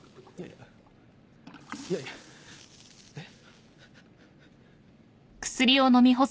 いやいやえっ。